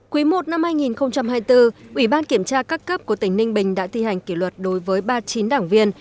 quý i năm hai nghìn hai mươi bốn ủy ban kiểm tra các cấp của tỉnh ninh bình đã thi hành kỷ luật đối với ba mươi chín đảng viên